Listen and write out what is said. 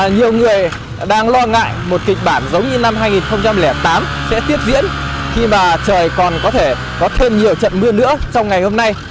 nhiều người đang lo ngại một kịch bản giống như năm hai nghìn tám sẽ tiếp diễn khi mà trời còn có thể có thêm nhiều trận mưa nữa trong ngày hôm nay